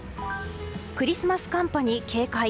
クリスマス寒波に警戒。